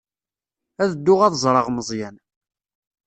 Ad dduɣ ad ẓreɣ Meẓyan.